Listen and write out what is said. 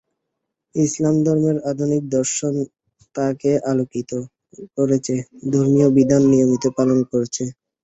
ইসলাম ধর্মের আধুনিক দর্শন তাকে আলোকিত করেছে, ধর্মীয় বিধান নিয়মিত পালন করছে।